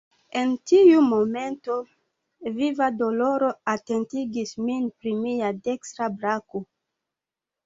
En tiu momento, viva doloro atentigis min pri mia dekstra brako.